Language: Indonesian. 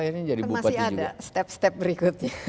kan masih ada step step berikutnya